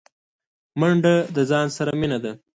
منډه د ځان سره مینه ده